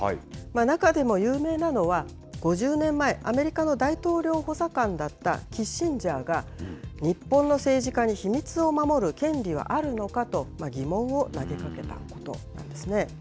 中でも有名なのは５０年前アメリカの大統領補佐官だったキッシンジャーが日本の政治家に秘密を守る権利はあるのかと疑問を投げかけたことなんですね。